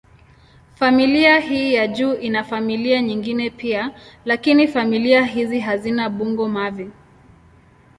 Familia hii ya juu ina familia nyingine pia, lakini familia hizi hazina bungo-mavi.